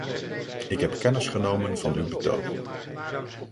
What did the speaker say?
Ik heb kennis genomen van uw betoog.